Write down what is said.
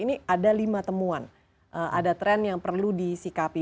ini ada lima temuan ada tren yang perlu disikapi